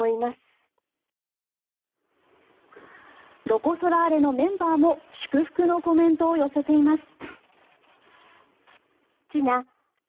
ロコ・ソラーレのメンバーも祝福のコメントを寄せています。